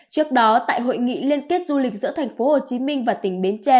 trước đó tại hội nghị liên kết du lịch giữa tp hcm và tỉnh bến tre